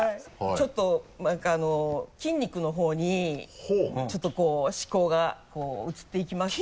ちょっと何か筋肉の方にちょっとこう思考が移っていきまして。